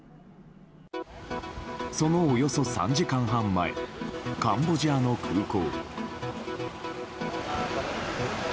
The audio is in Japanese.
そのおよそ３時間半前カンボジアの空港。